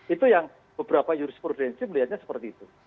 itu yang beberapa jurisprudensi melihatnya seperti itu